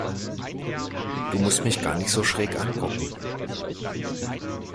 Du musst mich gar nicht so schräg angucken.